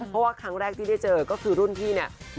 เพราะว่าครั้งแรกที่ได้เจอก็คือรุ่นพี่เนี่ย